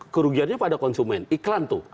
kerugiannya pada konsumen iklan tuh